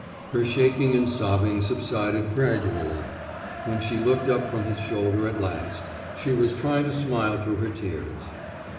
Her shaking and sobbing subsided gradu ally. When she looked up from his shoulder at last, she was trying to smile through her tears.